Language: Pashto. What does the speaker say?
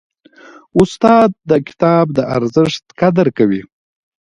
استاد د کتاب د ارزښت قدر کوي.